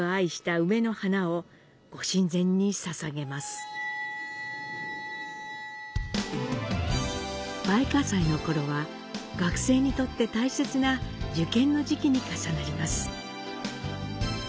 梅花祭のころは、学生にとって大切な受験の時期に重なります。